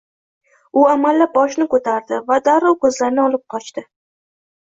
U amallab boshini koʻtardi va darrov koʻzlarini olib qochdi.